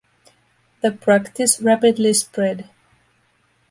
The practice rapidly spread.